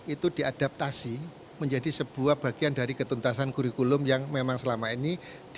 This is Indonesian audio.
itu diadaptasi menjadi sebuah bagian dari ketuntasan kurikulum yang memang selama ini